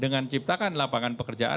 dengan ciptakan lapangan pekerjaan